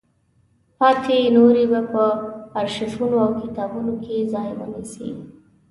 پاتې نورې به په ارشیفونو او کتابونو کې ځای ونیسي.